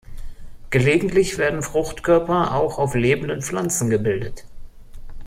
Gelegentlich werden Fruchtkörper auch auf lebenden Pflanzen gebildet.